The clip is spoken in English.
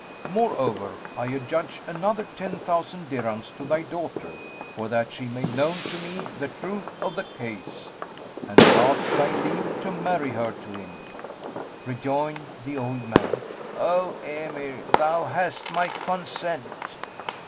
Moreover, I adjudge other ten thousand dirhams to thy daughter, for that she made known to me the truth of the case; and I ask thy leave to marry her to him." Rejoined the old man, "O Emir, thou hast my consent."